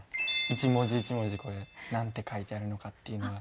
一文字一文字これ何て書いてあるのかっていうのが。